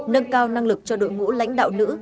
nâng cao năng lực cho đội ngũ lãnh đạo nữ